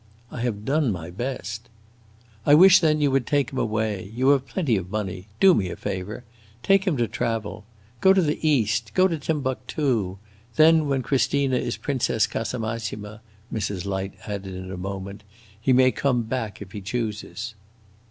"I have done my best." "I wish, then, you would take him away. You have plenty of money. Do me a favor. Take him to travel. Go to the East go to Timbuctoo. Then, when Christina is Princess Casamassima," Mrs. Light added in a moment, "he may come back if he chooses."